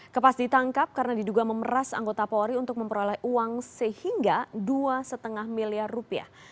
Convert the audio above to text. kepas ditangkap karena diduga memeras anggota polri untuk memperoleh uang sehingga dua lima miliar rupiah